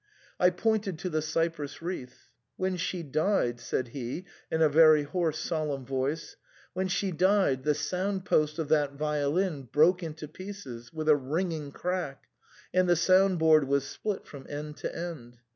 I pointed to the cypress wreath. "When she died," said he in a very hoarse solemn voice, "when she died, the soundpost of that violin broke into pieces with a ringing crack, and the sound board was split from end to end.